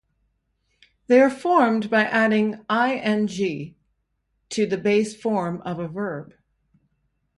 They are formed by adding -ing to the base form of a verb.